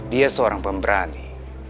dia seorang pemberani